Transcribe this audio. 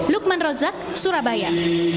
lukman rozak surabaya